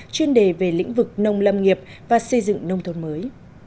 chuyên đề về lĩnh vực nông lâm nghiệp và xây dựng nông thôn mới